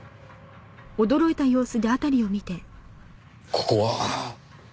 ここは？